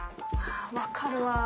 分かるわ。